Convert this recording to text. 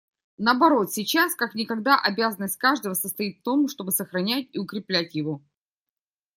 Наоборот, сейчас как никогда обязанность каждого состоит в том, чтобы сохранять и укреплять его.